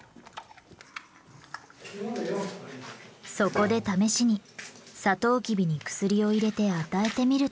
そこで試しにサトウキビに薬を入れて与えてみると。